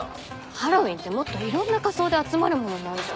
ハロウィーンってもっといろんな仮装で集まるものなんじゃ。